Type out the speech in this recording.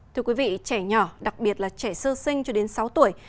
thưa quý vị trẻ nhỏ đặc biệt là trẻ sơ sinh cho đến sáu tuổi